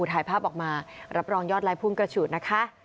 ถ่ายภาพออกมารับรองยอดไลค์พุ่งกระฉูดนะคะ